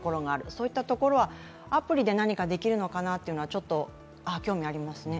そういったところはアプリで何かなできるのかなというのはちょっと興味ありますね。